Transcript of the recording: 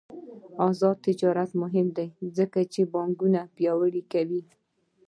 آزاد تجارت مهم دی ځکه چې بانکونه پیاوړي کوي.